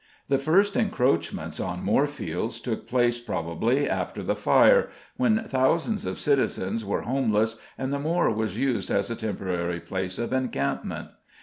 The first encroachments on Moorfields took place, probably, after the fire, when thousands of citizens were homeless, and the Moor was used as a temporary place of encampment.